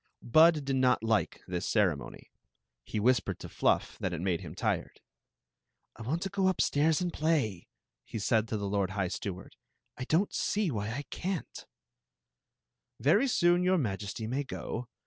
Bud did not like this ceremony. He whispered to Fluff that it made him tired. " I want to go upstairs and play," he said to the lord high steward. " I don't see why I can't" "Very soon your Majesty may go.